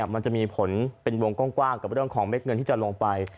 มันจะมีผลเป็นวงกว้างกับเรื่องของเม็ดเงินที่จะลงไป